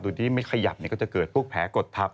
โดยที่ไม่ขยับก็จะเกิดพวกแผลกดทับ